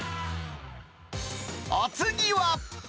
お次は。